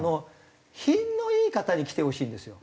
品のいい方に来てほしいんですよ。